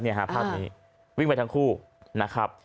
เนี่ยฮะภาพนี้วิ่งไปทั้งคู่นะครับ